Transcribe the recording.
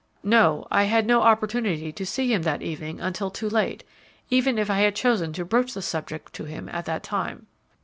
"No; I had no opportunity to see him that evening until too late, even if I had chosen to broach the subject to him at that time."